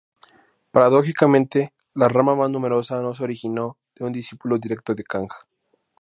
Paradójicamente, la rama más numerosa no se originó de un discípulo directo de Kang.